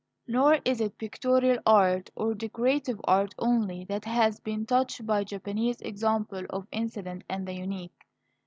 Nor is it pictorial art, or decorative art only, that has been touched by Japanese example of Incident and the Unique.